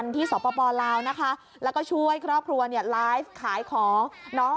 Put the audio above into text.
ที่สปลาวนะคะแล้วก็ช่วยครอบครัวเนี่ยไลฟ์ขายของน้อง